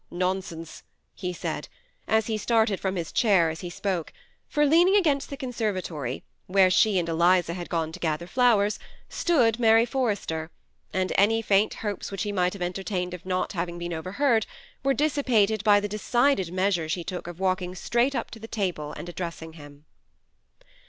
nonsense," he said ; but he started from his chair as he spoke, for, leaning against the door of the conservatory, where she and Eliza had gone to gather flowers, stood Mary Forrester, and any faint hopes which he might have entertained of not having been overheard were dissipated by the decided measure she took of walking straight up to the table and addressing him.